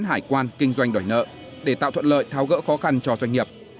hải quan kinh doanh đòi nợ để tạo thuận lợi tháo gỡ khó khăn cho doanh nghiệp